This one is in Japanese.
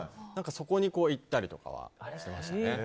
そこに行ったりとかはしましたね。